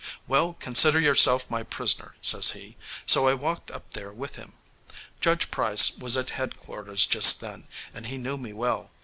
'Well, consider yourself my prisoner,' says he; so I walked up there with him. Judge Price was at head quarters just then, and he knew me well.